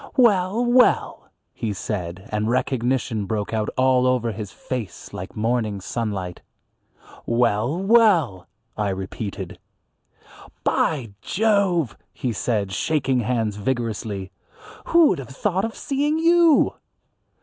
"Well! well!" he said, and recognition broke out all over his face like morning sunlight. "Well! well!" I repeated. "By Jove!" he said, shaking hands vigorously, "who would have thought of seeing you?"